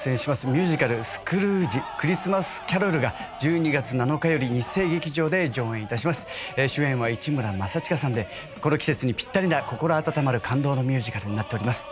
ミュージカル「スクルージクリスマス・キャロル」が１２月７日より日生劇場で上演いたします主演は市村正親さんでこの季節にピッタリな心温まる感動のミュージカルになっております